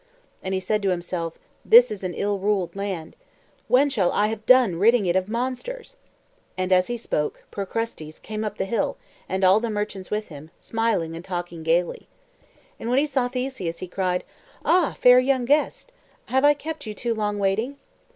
And he said to himself: "This is an ill ruled land; when shall I have done ridding it of monsters?" And, as he spoke, Procrustes came up the hill, and all the merchants with him, smiling and talking gaily. And when he saw Theseus, he cried: "Ah, fair young guest, have I kept you too long waiting?"